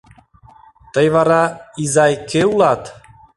— Тый вара, изай, кӧ улат?